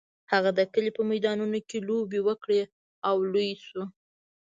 هغه د کلي په میدانونو کې لوبې وکړې او لوی شو.